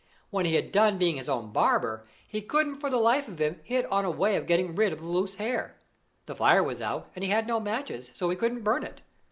When he had done being his own barber, he couldn't for the life of him hit on a way of getting rid of the loose hair. The fire was out, and he had no matches; so he couldn't burn it.